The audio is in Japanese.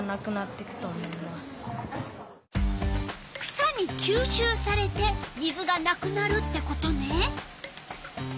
草にきゅうしゅうされて水がなくなるってことね。